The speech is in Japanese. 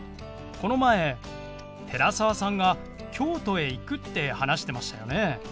この前寺澤さんが京都へ行くって話してましたよね。